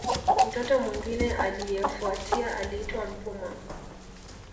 Mtoto mwingine aliyefuatia aliitwa Mpuma